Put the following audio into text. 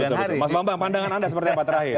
mas bambang pandangan anda seperti apa terakhir